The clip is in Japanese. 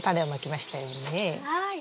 はい。